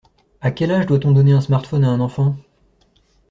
A quel âge doit-on donner un smartphone à un enfant?